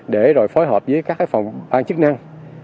để rồi phối hợp với các phòng ban chức năng